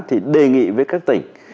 thì đề nghị với các tỉnh